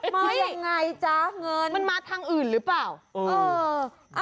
มันบุดเข้ากันไปยังไงมันมาทางอื่นหรือเปล่า